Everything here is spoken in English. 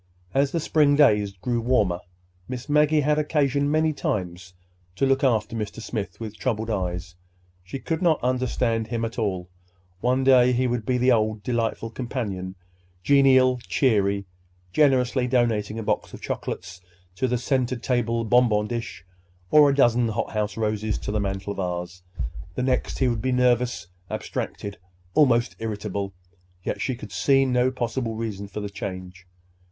As the spring days grew warmer, Miss Maggie had occasion many times to look after Mr. Smith with troubled eyes. She could not understand him at all. One day he would be the old delightful companion, genial, cheery, generously donating a box of chocolates to the center table bonbon dish or a dozen hothouse roses to the mantel vase. The next, he would be nervous, abstracted, almost irritable. Yet she could see no possible reason for the change.